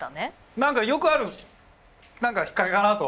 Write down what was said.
何かよくある何か引っ掛けかなと。